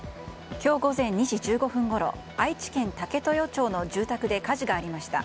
今日午前２時１５分ごろ愛知県武豊町の住宅で火事がありました。